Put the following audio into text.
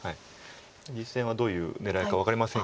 実戦はどういう狙いか分かりませんけど。